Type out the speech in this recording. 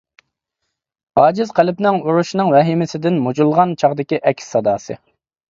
ئاجىز قەلبىنىڭ ئۇرۇشنىڭ ۋەھىمىسىدىن مۇجۇلغان چاغدىكى ئەكس ساداسى.